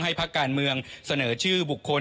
พักการเมืองเสนอชื่อบุคคล